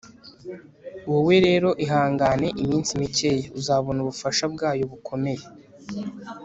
wowe rero, ihangane iminsi mikeya uzabona ububasha bwayo bukomeye